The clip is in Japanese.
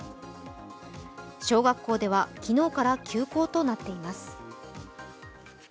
小学校では昨日から休校となっています。